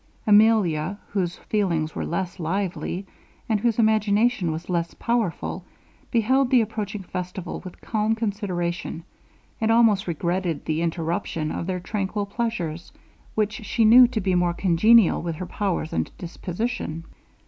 Emilia, whose feelings were less lively, and whose imagination was less powerful, beheld the approaching festival with calm consideration, and almost regretted the interruption of those tranquil pleasures, which she knew to be more congenial with her powers and disposition.